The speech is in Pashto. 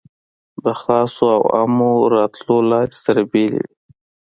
د خاصو او عامو راتلو لارې سره بېلې وې.